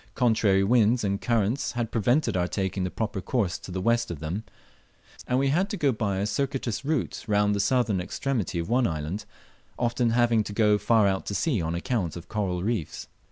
Contrary winds and currents had prevented our taking the proper course to the west of them, and we had to go by a circuitous route round the southern extremity of one island, often having to go far out to sea on account of coral reefs.